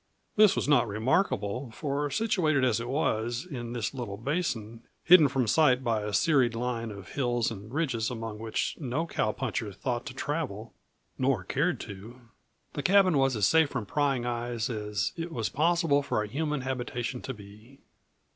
This was not remarkable, for situated as it was, in this little basin, hidden from sight by a serried line of hills and ridges among which no cowpuncher thought to travel nor cared to , the cabin was as safe from prying eyes as it was possible for a human habitation to be.